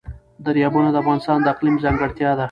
دریابونه د افغانستان د اقلیم ځانګړتیا ده.